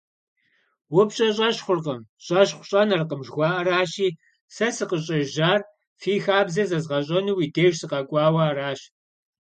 УпщӀэ щӀэщхъуркъым, щӀэщхъу щӀэнэркъым жыхуаӀэращи, сэ сыкъыщӀежьар фи хабзэр зэзгъэщӀэну уи деж сыкъэкӀуауэ аращ.